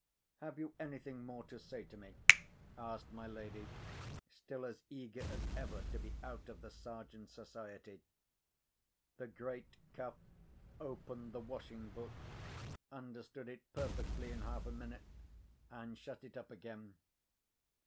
"Have you anything more to say to me?" asked my lady, still as eager as ever to be out of the Sergeant's society. The great Cuff opened the washing book, understood it perfectly in half a minute, and shut it up again.